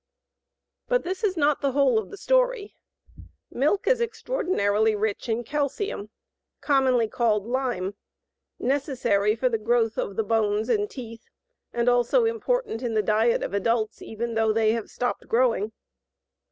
But this is not the whole story of milk. Milk is extraordinarily rich in calcium, commonly called lime, necessary for the growth of the bones and teeth and also important in the diet of adults, even though they have stopped growing.